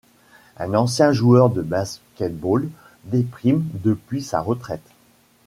Un ancien joueur de basketball déprime depuis sa retraite.